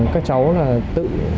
các cháu là tự